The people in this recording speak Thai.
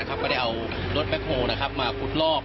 ก็ได้เอารถแพ็กโอทมาพุทรลอก